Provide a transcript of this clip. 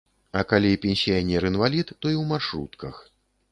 А калі пенсіянер інвалід, то і ў маршрутках.